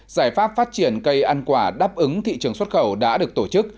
giải pháp phát triển cây ăn quả đáp ứng thị trường xuất khẩu đã được tổ chức